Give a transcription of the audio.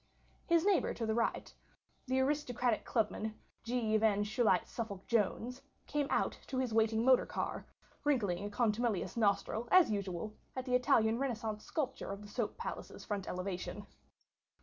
His neighbour to the right—the aristocratic clubman, G. Van Schuylight Suffolk Jones—came out to his waiting motor car, wrinkling a contumelious nostril, as usual, at the Italian renaissance sculpture of the soap palace's front elevation.